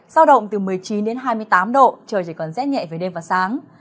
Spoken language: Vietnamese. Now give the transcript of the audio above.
sao động từ một mươi chín hai mươi tám độ trời chỉ còn rét nhẹ về đêm và sáng